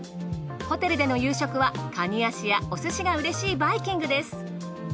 ホテルでの夕食はカニ足やお寿司がうれしいバイキングです。